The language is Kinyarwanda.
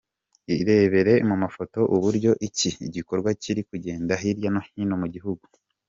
irebere mu mafoto uburyo iki gikorwa kiri kugenda hirya no hino mu gihugu.